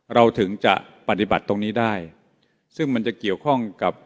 เราถึงจะปฏิบัติตรงนี้ได้ซึ่งมันจะเกี่ยวข้องกับ